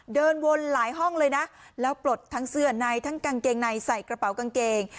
เดินวนหลายห้องเลยนะแล้วปลดทั้งเสื้อในทั้งกางเกงในใส่กระเป๋ากางเกง